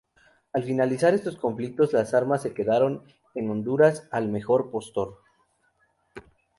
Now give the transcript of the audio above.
Al finalizar estos conflictos, las armas se quedaron en Honduras al "mejor postor".